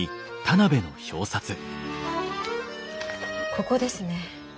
ここですね。